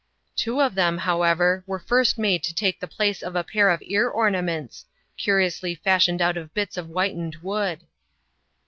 Two of them, however, were first made to take the place of a pair of ear ornaments, curiously fashioned out of bits of whitened wood.